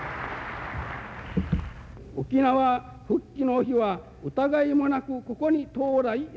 沖縄復帰の日は疑いもなくここに到来いたしました。